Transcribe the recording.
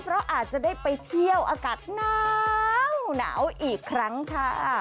เพราะอาจจะได้ไปเที่ยวอากาศหนาวอีกครั้งค่ะ